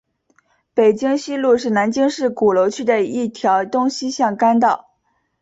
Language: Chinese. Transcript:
北京西路是南京市鼓楼区的一条东西向干道。